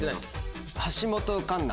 橋本環奈。